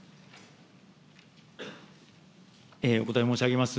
お答え申し上げます。